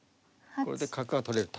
これで角が取れると。